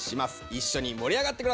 一緒に盛り上がって下さい。